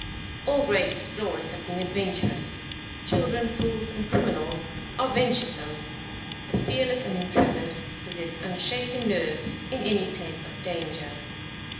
All great explorers have been adventurous; children, fools, and criminals are venturesome. The fearless and intrepid possess unshaken nerves in any place of danger.